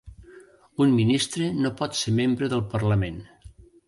Un ministre no pot ser membre del parlament.